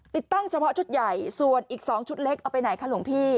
ติดตั้งเฉพาะชุดใหญ่ส่วนอีก๒ชุดเล็กเอาไปไหนคะหลวงพี่